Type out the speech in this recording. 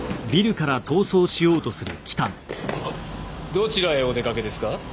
どちらへおでかけですか？